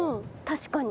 確かに。